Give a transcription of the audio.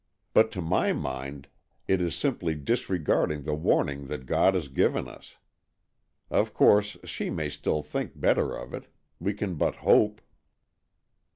But to my mind it is simply disregarding the warning that God has given us. Of course, she may still think better of it. We can but hope."